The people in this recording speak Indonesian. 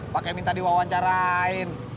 pakai minta diwawancarain